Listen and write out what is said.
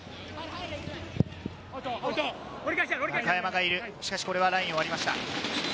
中山がいる、しかしこれはラインを割りました。